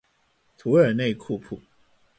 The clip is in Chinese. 图尔内库普。